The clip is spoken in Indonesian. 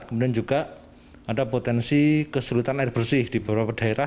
kemudian juga ada potensi keseluruhan air bersih di beberapa daerah